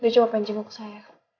dia coba pengen cengkuk saya